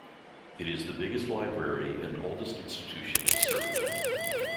It is the biggest library, and oldest institution in Serbia.